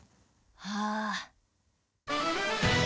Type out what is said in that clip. はあ。